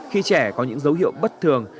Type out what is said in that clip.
khi trẻ có những dấu hiệu bất thường